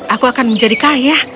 aku akan menjadi kaya